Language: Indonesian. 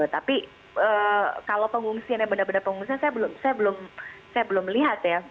tapi kalau pengungsian yang benar benar pengungsian saya belum lihat ya